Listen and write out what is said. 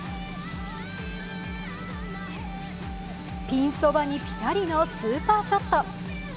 ピンそばにピタリのスーパーショット。